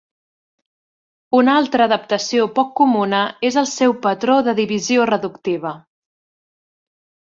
Una altra adaptació poc comuna és el seu patró de divisió reductiva.